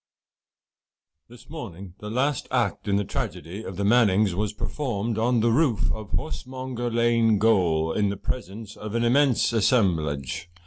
This morning the last act in the tragedy of the Mannings' was performed on the roof of Horsemonger Lane Gaol, in the presence of an immense assemblage.